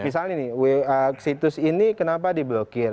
misalnya nih situs ini kenapa diblokir